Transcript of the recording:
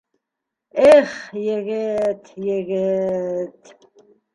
Эх, егет, егет...